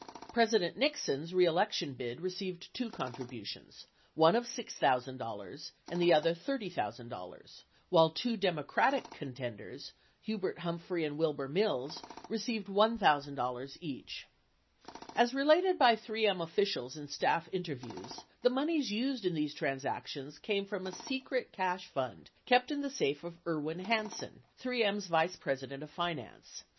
President Nixon's reelection bid received two contributions, one of $6,000 and the other $30,000, while two Democratic contenders, Hubert Humphrey and Wilbur Mills, received $1,000 each. As related by 3M officials in staff interviews, the moneys used in these transactions came from a secret cash fund kept in the safe of Irwin Hansen, 3M's vice president of finance.